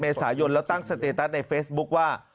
เมษายนแล้วตั้งสเตตัสในเฟซบุ๊คว่า